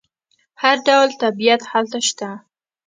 هر ډول طبیعت هلته شته.